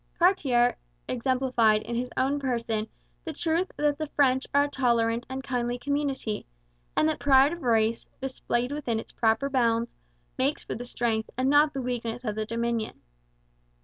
Cartier exemplified in his own person the truth that the French are a tolerant and kindly community, and that pride of race, displayed within its own proper bounds, makes for the strength and not the weakness of the Dominion.